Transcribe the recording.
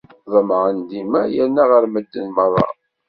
Temɛen dima yerna ɣer medden merra.